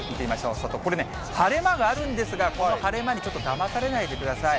外、晴れ間があるんですが、この晴れ間にちょっとだまされないでください。